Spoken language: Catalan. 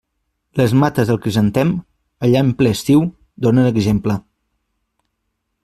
Les mates del crisantem, allà en ple estiu, donen exemple.